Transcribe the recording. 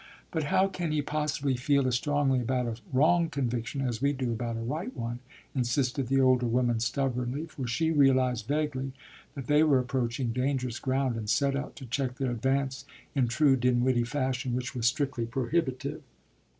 "But how can he possibly feel as strongly about a wrong conviction as we do about a right one?" insisted the older woman stubbornly, for she realized vaguely that they were approaching dangerous ground and set out to check their advance in true Dinwiddie fashion, which was strictly prohibitive.